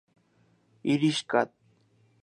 Irish Acad.